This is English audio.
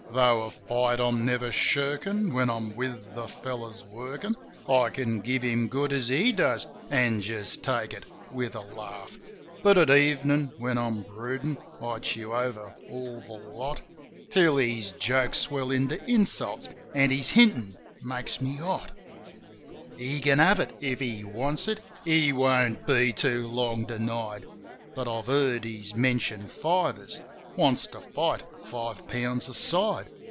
Tho' a fight I'm never shirkin', when I'm with the fellows, workin', I can give him good as he does, an' just take it with a laugh. But at evenin' when I'm broodin', I chew over all the lot. Till his jokes swell into insults an' his hintin' makes me hot. He can have it — if he wants it! He won't be too long denied! But I've heard he's mentioned fivers — wants to fight five pounds a side.